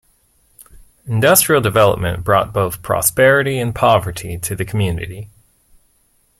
Industrial development brought both prosperity and poverty to the community.